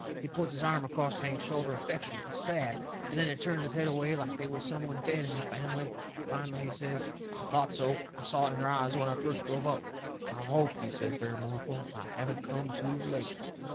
He puts his arm across Hank's shoulder affectionate and sad, and then he turns his head away like they was some one dead in the fambly. Finally, he says: "I thought so. I saw it. I saw it in your eyes when I first drove up. I hope," he says, very mournful, "I haven't come too late!"